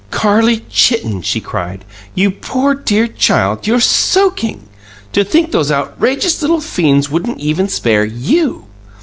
"Carlie Chitten!" she cried. "You poor dear child, you're soaking! To think those outrageous little fiends wouldn't even spare YOU!"